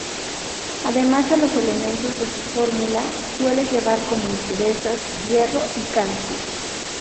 Además de los elementos de su fórmula, suele llevar como impurezas: hierro y calcio.